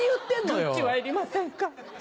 グッチはいりませんか？